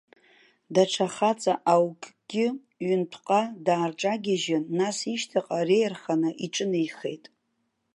Даҽа хаҵа аукгьы ҩынтәҟа даарҿагьежьын, нас ишьҭахь реиарханы иҿынеихеит.